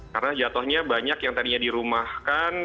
karena jatuhnya banyak yang tadinya dirumahkan